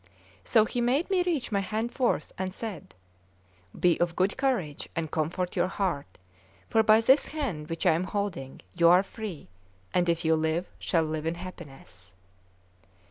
So he made me reach my hand forth, and said: "Be of good courage and comfort your heart, for by this hand which I am holding you are free, and if you live, shall live in happiness."